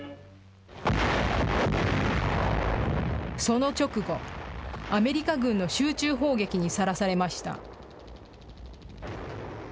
その直後、アメリカ軍の集中砲撃にさらされました。